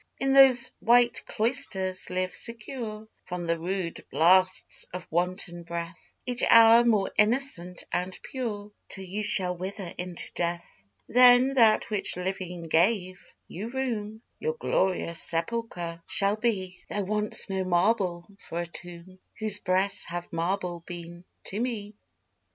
In those white Cloisters live secure From the rude blasts of wanton breath, Each hour more innocent and pure, Till you shall wither into death. Then that which living gave you room, Your glorious sepulchre shall be; There wants no marble for a tomb, Whose breast hath marble been to me.